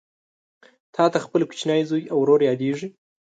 تاته خپل کوچنی زوی او ورور یادیږي